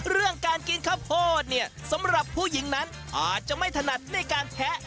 เรื่องการกินข้าวโพดเนี่ยสำหรับผู้หญิงนั้นอาจจะไม่ถนัดในการแทะ